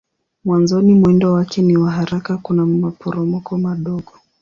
Mwanzoni mwendo wake ni wa haraka kuna maporomoko madogo.